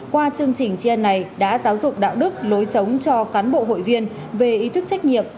qua chương trình tri ân này đã giáo dục đạo đức lối sống cho cán bộ hội viên về ý thức trách nhiệm